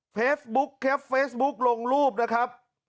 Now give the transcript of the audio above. เฟสบุ๊กครับเฟสบุ๊กลงรูปนะครับ